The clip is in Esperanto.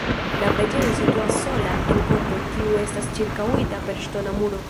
La preĝejo situas sola en korto, kiu estas ĉirkaŭita per ŝtona muro.